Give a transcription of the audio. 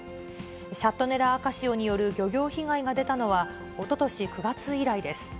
シャットネラ赤潮による漁業被害が出たのは、おととし９月以来です。